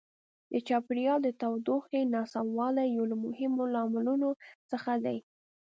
د چاپیریال د تودوخې ناسموالی یو له مهمو لاملونو څخه دی.